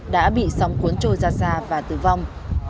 đã bị sóng cuốn trôi ra xa và tử vong